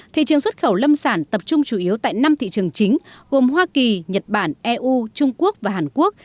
thị trường xuất khẩu lâm sản tập trung chủ yếu tại năm thị trường chính gồm hoa kỳ nhật bản eu trung quốc và hàn quốc